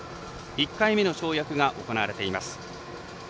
１回目の跳躍が行われています。